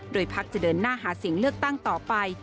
โดยพักจะเดินหน้าหาเสียงเลือกตั้งต่อไป